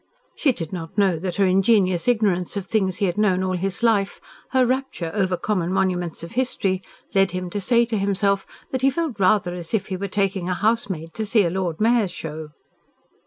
She did not know that her ingenuous ignorance of things he had known all his life, her rapture over common monuments of history, led him to say to himself that he felt rather as if he were taking a housemaid to see a Lord Mayor's Show.